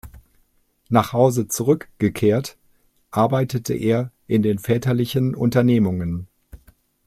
Nach Hause zurückgekehrt, arbeitete er in den väterlichen Unternehmungen.